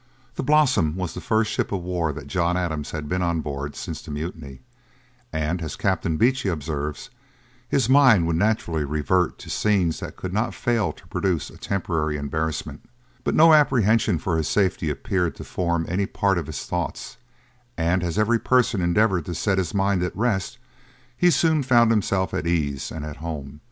The Blossom was the first ship of war that John Adams had been on board of since the mutiny; and, as Captain Beechey observes, his mind would naturally revert to scenes that could not fail to produce a temporary embarrassment, but no apprehension for his safety appeared to form any part of his thoughts; and as every person endeavoured to set his mind at rest, he soon found himself at ease and at home.